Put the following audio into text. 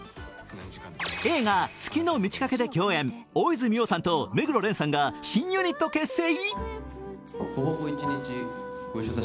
映画「月の満ち欠け」で共演、大泉洋さんと、目黒蓮さんが新ユニット結成？